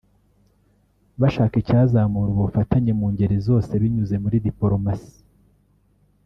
bashaka icyazamura ubufatanye mu ngeri zose binyuze muri dipolomasi